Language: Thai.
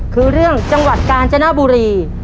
คือเรื่องจังหวัดกาญจนบุรี